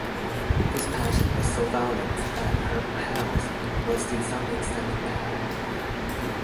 This passion was so violent that her health was to some extent impaired.